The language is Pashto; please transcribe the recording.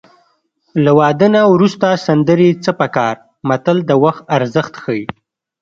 له واده نه وروسته سندرې څه په کار متل د وخت ارزښت ښيي